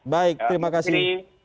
baik terima kasih